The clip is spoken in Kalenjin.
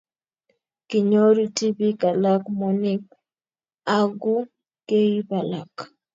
kinyoru tibik alak moonik aku keib alak